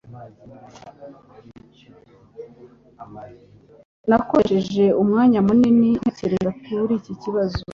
Nakoresheje umwanya munini ntekereza kuri iki kibazo.